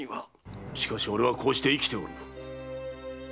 しかし俺はこうして生きておる。